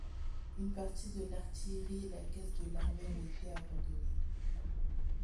Une partie de l'artillerie, la caisse de l'armée ont été abandonnées.